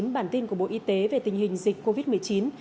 bản tin của bộ y tế về tình hình dịch covid một mươi chín